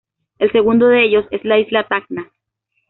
El segundo de ellos es la Isla Tacna.